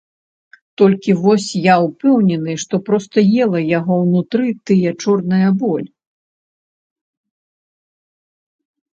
Толькі вось я ўпэўнены, што проста ела яго ўнутры тая чорная боль.